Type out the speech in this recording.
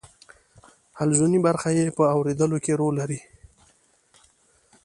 حلزوني برخه یې په اوریدلو کې رول لري.